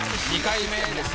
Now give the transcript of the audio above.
２回目。